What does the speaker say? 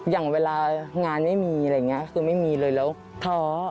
อย่างเวลางานไม่มีอะไรอย่างนี้คือไม่มีเลยแล้วท้อ